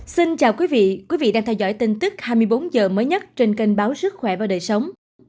xin chào quý vị quý vị đang theo dõi tin tức hai mươi bốn h mới nhất trên kênh báo sức khỏe và đời sống